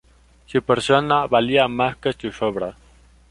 Su persona valía más que sus obras".